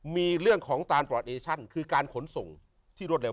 มีเรื่องของตานปลอดเอชั่นคือการขนส่งที่รวดเร็